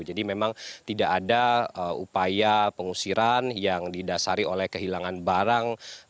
jadi memang tidak ada upaya pengusiran yang didasari oleh kehilangan barang